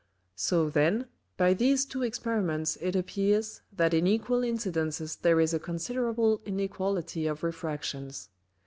So then, by these two Experiments it appears, that in Equal Incidences there is a considerable inequality of Refractions.